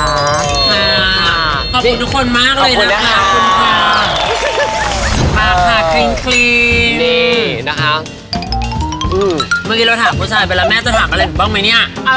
ค่ะขอบคุณทุกคนมากเลยนะขอบคุณค่ะ